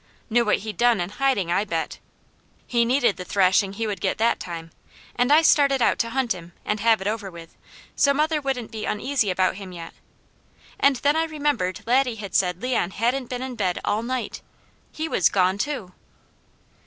Knew what he'd done and hiding, I bet! He needed the thrashing he would get that time, and I started out to hunt him and have it over with, so mother wouldn't be uneasy about him yet; and then I remembered Laddie had said Leon hadn't been in bed all night. He was gone too!